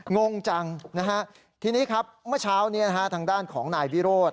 งงจังนะฮะทีนี้ครับเมื่อเช้านี้นะฮะทางด้านของนายวิโรธ